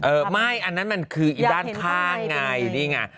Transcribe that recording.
เออไม่อันนั้นมันคืออีด้านข้างไงนี่ไง